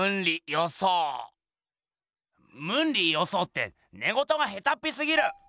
ムンリ・ヨソーってねごとがへたっぴすぎる！